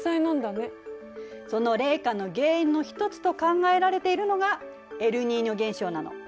その冷夏の原因の一つと考えられているのがエルニーニョ現象なの。